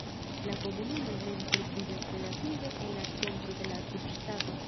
La komunumo mem troviĝas relative en la centro de la subŝtato.